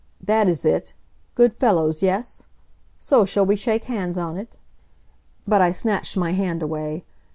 That is it good fellows, yes? So, shall we shake hands on it?" But I snatched my hand away.